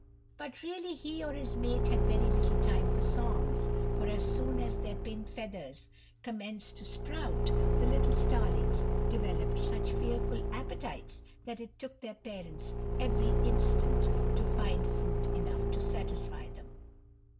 But really he or his mate had very little time for songs, for as soon as their pin feathers commenced to sprout, the little starlings developed such fearful appetites that it took their parents every instant to find food enough to satisfy them.